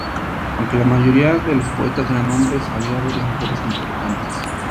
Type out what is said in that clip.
Aunque la mayoría de los poetas eran hombres, había varias mujeres importantes.